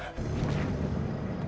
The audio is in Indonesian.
buang dia kamu